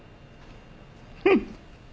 フッ。